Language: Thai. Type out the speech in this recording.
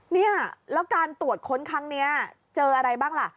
เนี่ยแล้วการตรวจค้นครั้งนี้เจออะไรบ้างล่ะ